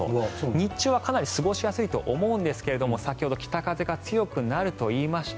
日中はかなり過ごしやすいと思うんですが先ほど北風が強くなると言いました。